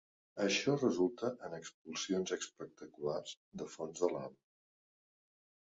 Això resulta en expulsions espectaculars de fonts de lava.